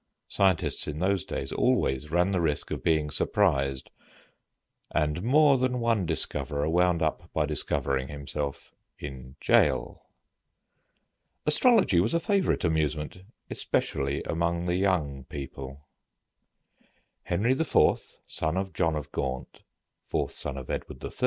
Scientists in those days always ran the risk of being surprised, and more than one discoverer wound up by discovering himself in jail. Astrology was a favorite amusement, especially among the young people. Henry IV., son of John of Gaunt, fourth son of Edward III.